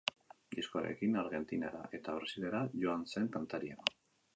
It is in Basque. Diskoarekin Argentinara eta Brasilera joan zen kantaria.